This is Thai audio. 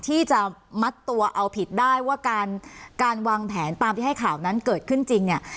ที่จะมัดตัวเอาผิดได้ว่าการการวางแผนตามที่ให้ข่าวนั้นเกิดขึ้นจริงเนี่ย